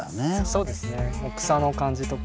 そうですね草の感じとか。